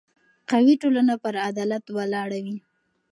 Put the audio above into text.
قوي ټولنه پر عدالت ولاړه وي